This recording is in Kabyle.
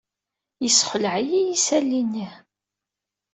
Yessexleɛ-iyi yisali-nni.